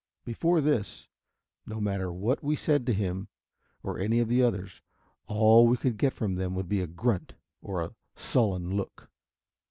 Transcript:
Before this, no matter what we said to him or any of the others, all we could get from them would be a grunt or a sullen look.